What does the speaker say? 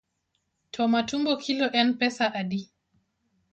To matumbo kilo en pesa adi?